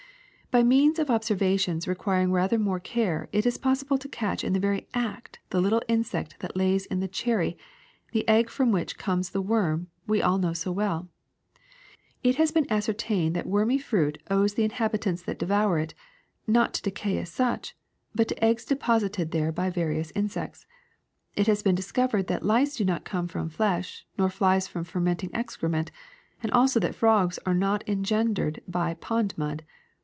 By means of observations requiring rather more care it is possible to catch in the very act the little insect that lays in the cherry the egg from which comes the worm we all know so well. It has been ascertained that wormy fruit owes the inhabitants that devour it, not to decay as such, but to eggs de posited there by various insects. It has been dis covered that lice do not come from flesh, nor fleas from fermenting excrement, and also that frogs are not engendered by pond mud.